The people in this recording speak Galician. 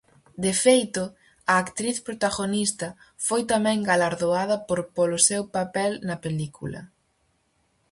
De feito, a actriz protagonista foi tamén galardoada por polo seu papel na película.